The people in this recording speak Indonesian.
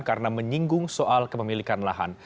karena menyinggung soal kepemilikan lahan